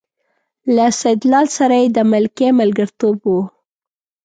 له سیدلال سره یې د ملکۍ ملګرتوب و.